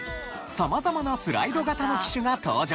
様々なスライド型の機種が登場。